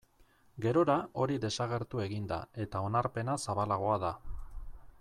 Gerora hori desagertu egin da eta onarpena zabalagoa da.